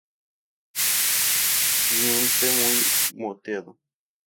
Vientre muy moteado.